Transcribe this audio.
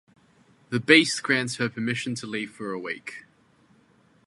The Beast grants her permission to leave for a week.